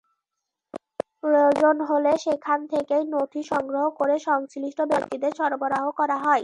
প্রয়োজন হলে সেখান থেকেই নথি সংগ্রহ করে সংশ্লিষ্ট ব্যক্তিদের সরবরাহ করা হয়।